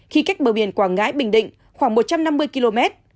khi cách bờ biển quảng ngãi bình định khoảng một trăm năm mươi km